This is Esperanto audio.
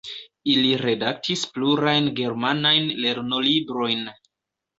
Li redaktis plurajn germanajn lernolibrojn.